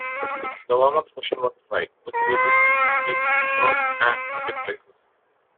The warm-up session was dry, with Williams taking first and second places.